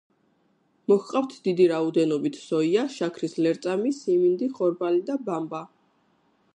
მოჰყავთ დიდი რაოდენობით სოია, შაქრის ლერწამი, სიმინდი, ხორბალი და ბამბა.